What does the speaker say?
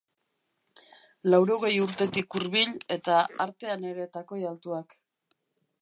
Laurogei urtetik hurbil, eta artean ere takoi altuak.